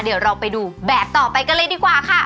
เดี๋ยวเราไปดูแบบต่อไปกันเลยดีกว่าค่ะ